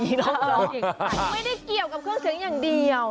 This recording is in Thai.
ไม่ได้เกี่ยวกับเครื่องเสียงอย่างเดียว